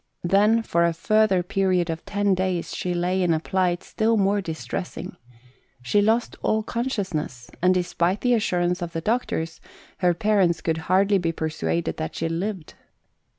Then for a further period of ten days she lay in a plight still more distressing. She lost all consciousness, and, despite the assurance of the doctors, her parents could hardly be persuaded that she lived.